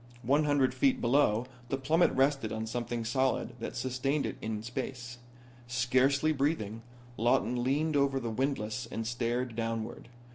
One hundred feet below him the plummet rested on something solid that sustained it in space. Scarcely breathing, Lawton leaned over the windlass and stared downward.